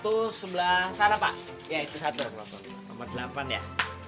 itu pak sebelah sana